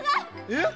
えっ？